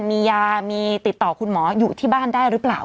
มียามีติดต่อคุณหมออยู่ที่บ้านได้หรือเปล่า